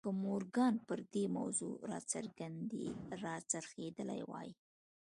که مورګان پر دې موضوع را څرخېدلی وای